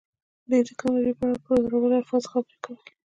دوی د ټیکنالوژۍ په اړه په زړورو الفاظو خبرې کولې